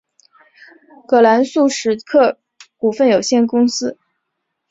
葛兰素史克股份有限公司。